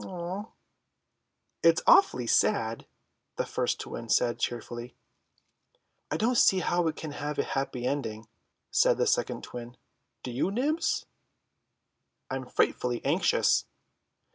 "Oo!" "It's awfully sad," the first twin said cheerfully. "I don't see how it can have a happy ending," said the second twin. "Do you, Nibs?" "I'm frightfully anxious."